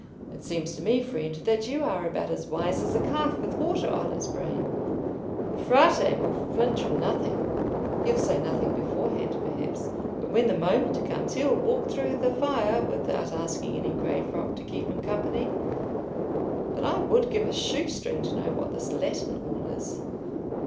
"It seems to me, friend, that you are about as wise as a calf with water on its brain. The Frate will flinch from nothing: he'll say nothing beforehand, perhaps, but when the moment comes he'll walk through the fire without asking any grey frock to keep him company. But I would give a shoestring to know what this Latin all is."